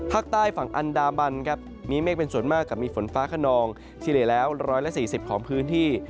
ภาคใต้ฝั่งอันดามันครับมีเมฆเป็นส่วนมากกับมีฝนฟ้าขนองที่เหลือแล้ว๑๔๐ของพื้นที่